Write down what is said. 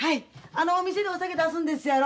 あのお店でお酒出すんですやろ？